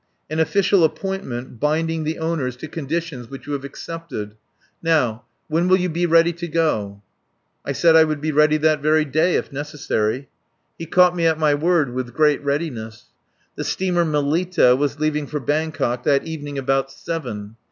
"An official appointment binding the owners to conditions which you have accepted. Now when will you be ready to go?" I said I would be ready that very day if necessary. He caught me at my word with great alacrity. The steamer Melita was leaving for Bangkok that evening about seven.